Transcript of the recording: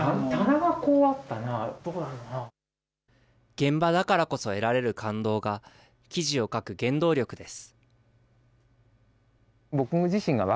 現場だからこそ得られる感動が記事を書く原動力です。